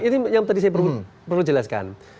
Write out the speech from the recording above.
ini yang tadi saya perlu jelaskan